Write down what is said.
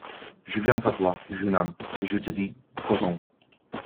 Je viens à toi, jeune âme, et je te dis : causons.